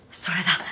それだ。